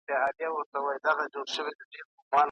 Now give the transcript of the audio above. هر ماتې د بریا لپاره نوی درس دی.